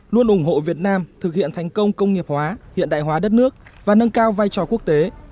luôn ủng hộ việt nam thực hiện thành công công nghiệp hóa hiện đại hóa đất nước và nâng cao vai trò quốc tế